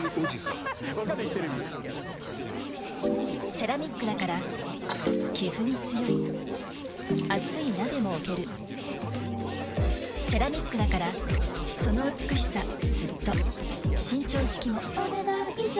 セラミックだからキズに強い熱い鍋も置けるセラミックだからその美しさずっと伸長式もお、ねだん以上。